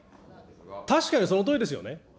確かにそのとおりですよね。